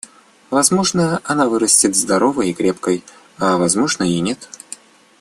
Возможно, она вырастет здоровой и крепкой, а возможно, и нет.